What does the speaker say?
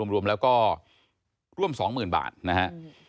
รวมแล้วก็ร่วม๒๐๐๐บาทนะฮะ